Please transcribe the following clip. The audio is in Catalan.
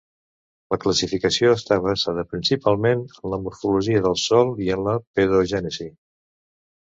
La classificació està basada principalment en la morfologia del sòl i en la pedogènesi.